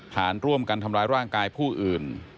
ฐานร่วมกันทำร้ายร่างกายผู้อื่น